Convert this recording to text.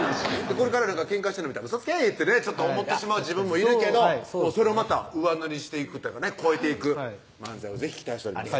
これからケンカしてんの見たらウソつけってね思ってしまう自分もいるけどそれを上塗りしていくっていうか超えていく漫才を是非期待しております